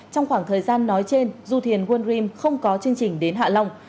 trong khoảng thời gian nói trên du thuyền one rim không có chương trình đến hạ long